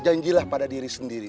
janjilah pada diri sendiri